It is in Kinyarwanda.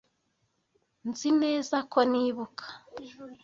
Nzi neza ko nibuka.